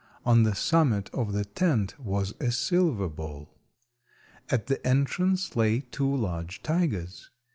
On the summit of the tent was a silver ball. At the entrance lay two large tigers.